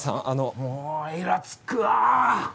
もういらつくわ！